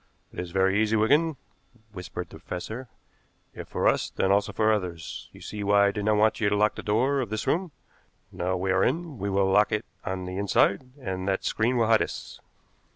"It is very easy, Wigan," whispered the professor; "if for us, then also for others. You see why I did not want you to lock the door of this room? Now we are in, we will lock it on the inside, and that screen will hide us."